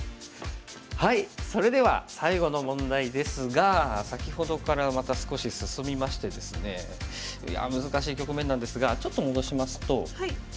それでは最後の問題ですが先ほどからまた少し進みましてですねいや難しい局面なんですがちょっと戻しますと。